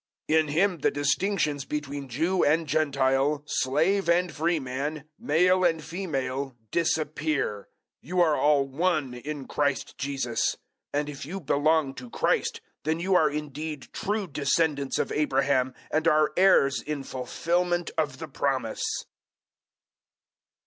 003:028 In Him the distinctions between Jew and Gentile, slave and free man, male and female, disappear; you are all one in Christ Jesus. 003:029 And if you belong to Christ, then you are indeed true descendants of Abraham, and are heirs in fulfilment of the promise.